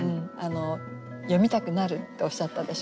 「読みたくなる」っておっしゃったでしょ？